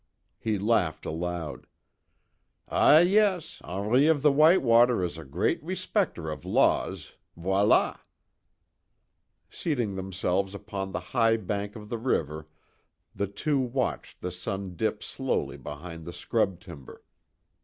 He laughed aloud, "Ah, yes Henri of the White Water is a great respecter of laws, voila!" Seating themselves upon the high bank of the river the two watched the sun dip slowly behind the scrub timber.